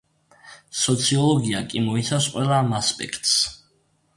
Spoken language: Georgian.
სოციოლოგია კი მოიცავს ყველა ამ ასპექტს.